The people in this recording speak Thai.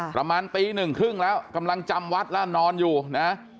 ประมาณตีหนึ่งครึ่งแล้วกำลังจำวัดแล้วนอนอยู่นะ